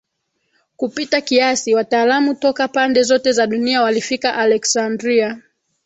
kupita kiasi Wataalamu toka pande zote za dunia walifika Aleksandria